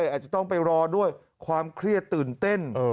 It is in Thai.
อาจจะต้องไปรอด้วยความเครียดตื่นเต้น